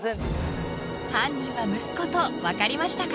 ［犯人は息子と分かりましたか？］